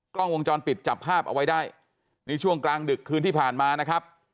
กล้องวงจรปิดจับภาพเอาไว้ได้นี่ช่วงกลางดึกคืนที่ผ่านมานะครับ